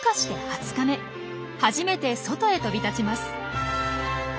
初めて外へ飛び立ちます。